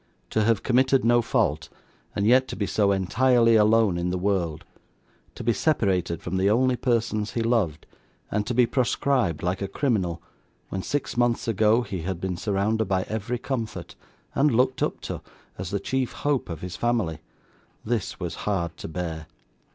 To have committed no fault, and yet to be so entirely alone in the world; to be separated from the only persons he loved, and to be proscribed like a criminal, when six months ago he had been surrounded by every comfort, and looked up to, as the chief hope of his family this was hard to bear.